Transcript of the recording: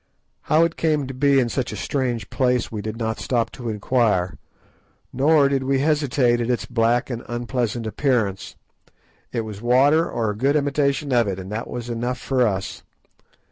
How it came to be in such a strange place we did not stop to inquire, nor did we hesitate at its black and unpleasant appearance. It was water, or a good imitation of it, and that was enough for us.